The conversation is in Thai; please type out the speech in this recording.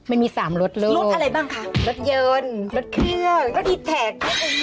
ไม่มี๓รสโลกรสอะไรบ้างคะรสเยินรสเครื่องรสอีดแถก